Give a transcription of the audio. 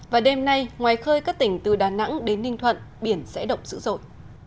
và đêm nay ngoài khơi các tỉnh từ đà nẵng đến ninh thuận biển sẽ động dữ dội